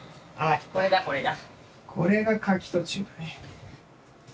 これだこれだ。